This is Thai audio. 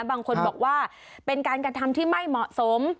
บางคนบอกว่าเป็นการกระทำที่ไม่เหมาะสม